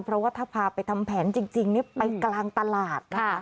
เพราะว่าถ้าพาไปทำแผนจริงไปกลางตลาดนะคะ